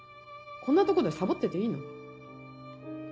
こんなとこでサボってていいの？